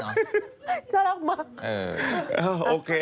จะรักมาก